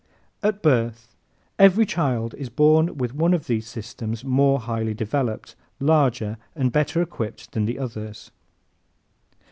At Birth ¶ Every child is born with one of these systems more highly developed, larger and better equipped than the others.